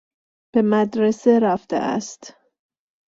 به مدرسه رفته است.